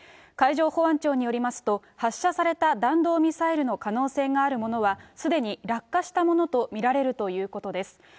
海上保安庁によりますと、発射された弾道ミサイルの可能性があるものは、すでに落下したものと見られるということです。